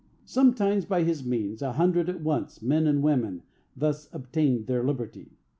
"Sometimes, by his means, a hundred at once, men and women, thus obtained their liberty.